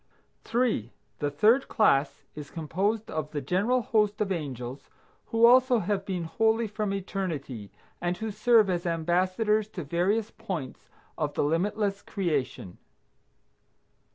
3. The third class is composed of the general host of angels who also have been holy from eternity, and who serve as ambassadors to various points of the limitless creation.